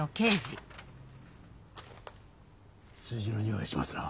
数字のにおいがしますな。